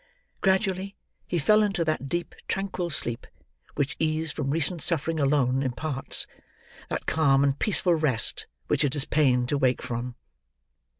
Gradually, he fell into that deep tranquil sleep which ease from recent suffering alone imparts; that calm and peaceful rest which it is pain to wake from.